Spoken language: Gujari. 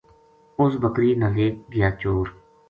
اُس بکری نا لے گیا چور